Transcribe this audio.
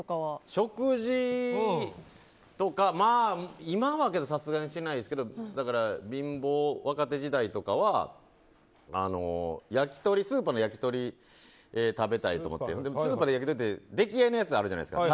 食事とか今はさすがにしてないですけど若手時代とかはスーパーの焼き鳥食べたいと思ってスーパーの焼き鳥って出来合いのやつがあるじゃないですか。